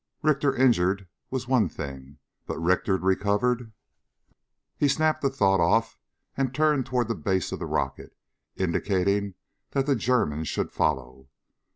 Richter injured was one thing. But Richter recovered ... He snapped the thought off and turned toward the base of the rocket, indicating that the German should follow.